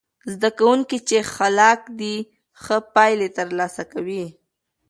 زده کوونکي چې خلاق دي، ښه پایلې ترلاسه کوي.